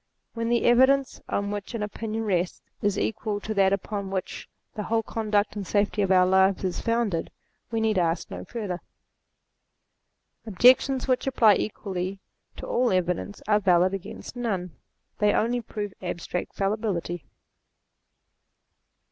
When the evidence, on which an opinion rests, is REVELATION 219 equal to that upon which the whole conduct and safety of our lives is founded, we need ask no further. Objections which apply equally to all evidence are valid against none. They only prove abstract falli bility.